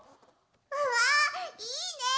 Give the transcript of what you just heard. うわあいいね！